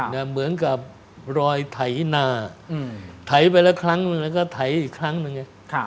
เหมือนกับรอยไถนาไถไปละครั้งหนึ่งแล้วก็ไถอีกครั้งหนึ่งไง